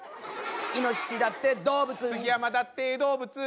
「イノシシだって動物」「杉山だって動物」